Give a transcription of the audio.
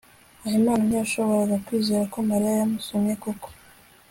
habimana ntiyashoboraga kwizera ko mariya yamusomye koko